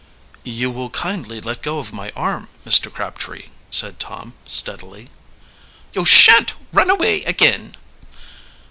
"You will kindly let go of my arm, Mr. Crabtree," said Tom steadily. "You shan't run away again!"